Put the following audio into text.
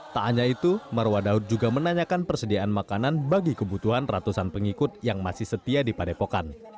tak hanya itu marwah daud juga menanyakan persediaan makanan bagi kebutuhan ratusan pengikut yang masih setia di padepokan